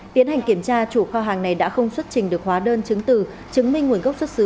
tiến hành kiểm tra chủ kho hàng này đã không xuất trình được hóa đơn chứng từ chứng minh nguồn gốc xuất xứ